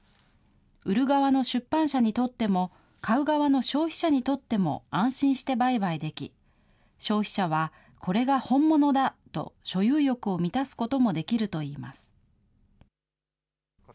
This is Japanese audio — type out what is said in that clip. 売る側の出版社にとっても、買う側の消費者にとっても、安心して売買でき、消費者はこれが本物だと所有欲を満たすこともできるといいます。